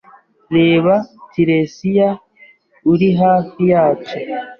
Reba Tiresiya uri hafi yacu